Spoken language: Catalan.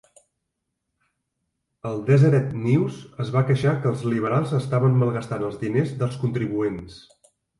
El "Deseret News" es va queixar que els liberals estaven malgastant els diners dels contribuents.